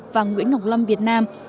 và nguyễn ngọc lâm việt nam